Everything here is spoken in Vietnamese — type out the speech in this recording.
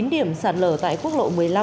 tám điểm sạt lở tại quốc lộ một mươi năm